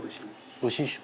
おいしいでしょ？